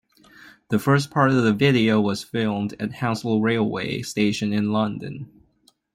The first part of the video was filmed at Hounslow railway station in London.